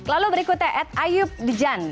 lalu berikutnya ed ayub dijan